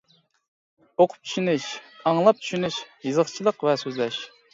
ئوقۇپ چۈشىنىش، ئاڭلاپ چۈشىنىش، يېزىقچىلىق ۋە سۆزلەش.